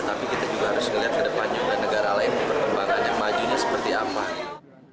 tapi kita juga harus melihat ke depan juga negara lain perkembangannya majunya seperti apa gitu